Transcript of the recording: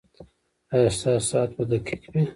ایا ستاسو ساعت به دقیق وي؟